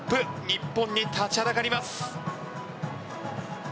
日本に立ちはだかります。